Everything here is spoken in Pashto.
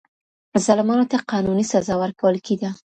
ظالمانو ته قانوني سزا ورکول کیده.